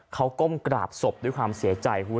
เขาก้มกราบศพด้วยความเสียใจ